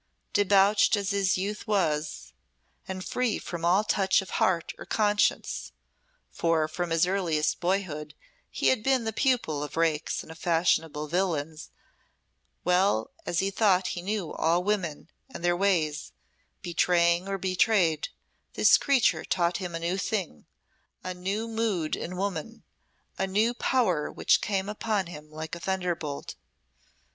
Debauched as his youth was, and free from all touch of heart or conscience for from his earliest boyhood he had been the pupil of rakes and fashionable villains well as he thought he knew all women and their ways, betraying or betrayed this creature taught him a new thing, a new mood in woman, a new power which came upon him like a thunderbolt.